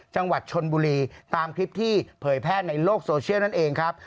จังหวัดชนบุรีตามคลิปที่เผยแพร่ในโลกโซเชียลนั่นเองครับ